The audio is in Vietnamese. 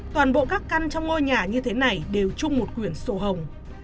toàn bộ các căn trong ngôi nhà như thế này đều chung một quyển sổ hồng